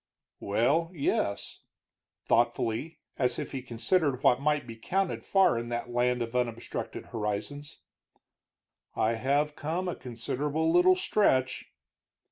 "Well, yes," thoughtfully, as if he considered what might be counted far in that land of unobstructed horizons, "I have come a considerable little stretch."